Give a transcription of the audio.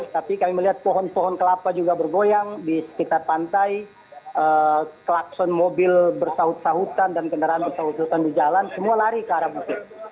tapi kami melihat pohon pohon kelapa juga bergoyang di sekitar pantai klakson mobil bersaut sahutan dan kendaraan bersahutan di jalan semua lari ke arah bukit